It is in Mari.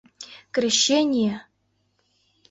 — Крещение!